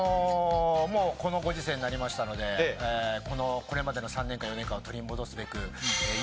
もうこのご時世になりましたのでこれまでの３年間４年間を取り戻すべく。